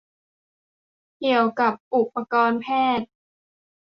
เกี่ยวกะอุปกรณ์แพทย์ ?